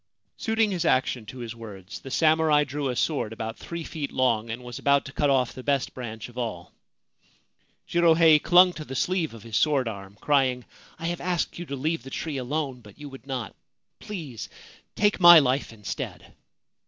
Suiting his action to his words, the samurai drew a sword about three feet long, and was about to cut off the best branch of all. Jirohei clung to the sleeve of his sword arm, crying :' I have asked you to leave the tree alone ; but you would not. Please take my life instead.'